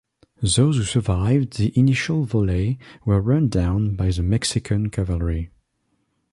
Those who survived the initial volley were run down by the Mexican cavalry.